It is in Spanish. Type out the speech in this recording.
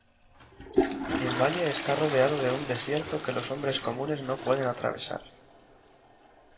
El valle está rodeado de un desierto que los hombres comunes no pueden atravesar.